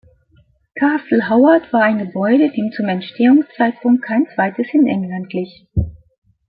Castle Howard war ein Gebäude, dem zum Entstehungszeitpunkt kein zweites in England glich.